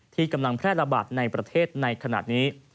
ที่กำลังแพร่ระบาดในประเทศในขณะนี้